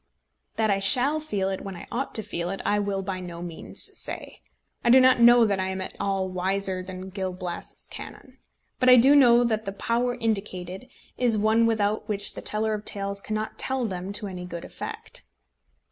That I shall feel it when I ought to feel it, I will by no means say. I do not know that I am at all wiser than Gil Blas' canon; but I do know that the power indicated is one without which the teller of tales cannot tell them to any good effect.